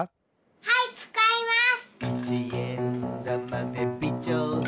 はいつかいます。